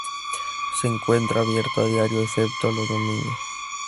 Se encuentra abierto a diario excepto los domingos.